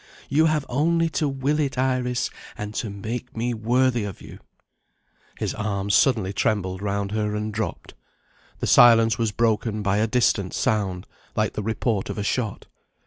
You have only to will it, Iris, and to make me worthy of you." His arms suddenly trembled round her, and dropped. The silence was broken by a distant sound, like the report of a shot.